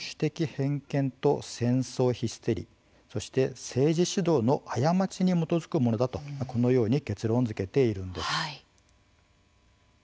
偏見と戦争ヒステリーそして、政治指導の過ちに基づくものだとこのように結論づけているんです。